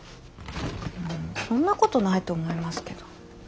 うんそんなことないと思いますけど。